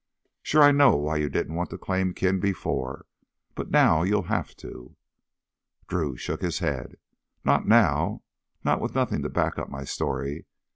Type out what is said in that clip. Sure, I know why you didn't want to claim kin before, but now you'll have to." Drew shook his head. "Not now—not with nothing to back up my story.